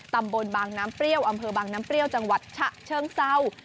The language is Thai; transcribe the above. ตำบลบางน้ำเปรี้ยวอำเภอบางน้ำเปรี้ยวจังหวัดฉะเชิงเศร้า